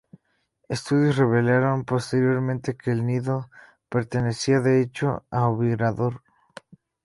Estudios revelaron posteriormente que el nido pertenecía, de hecho, a "Oviraptor".